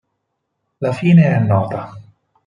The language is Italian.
La fine è nota